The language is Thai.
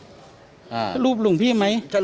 รูปหลวงพี่ไหม